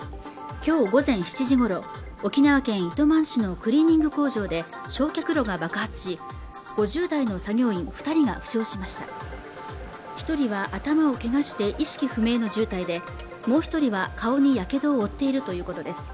今日午前７時ごろ沖縄県糸満市のクリーニング工場で焼却炉が爆発し５０代の作業員二人が負傷しました一人は頭を怪我して意識不明の重体でもう一人は顔にやけどを負っているということです